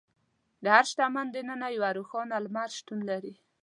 د هر شخص دننه یو روښانه لمر شتون لري.